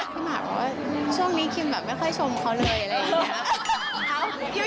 พี่หมากบอกว่าช่วงนี้คิมแบบไม่ค่อยชมเขาเลย